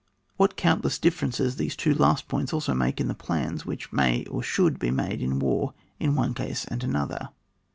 What countless differences these two last points alone make in the plans which may and should be made in war in one case and another